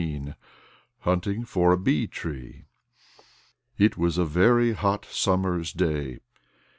XV HUNTING FOR A BEE TREE It was a very hot summer's day.